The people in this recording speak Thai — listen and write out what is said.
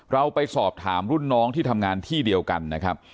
เราไปสอบถามรุ่นน้องที่ทำงานที่เดียวกันนะครับ